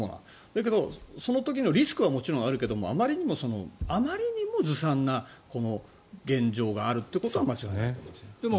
だけどその時のリスクはもちろんあるけどあまりにもずさんなこの現状があるということは間違いないと思います。